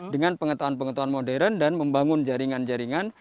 dengan pengetahuan pengetahuan modern dan membangun jaringan jaringan